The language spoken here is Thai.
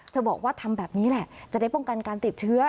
บอกว่าทำแบบนี้แหละจะได้ป้องกันการติดเชื้อ